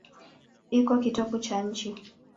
Iko kitovu cha nchi.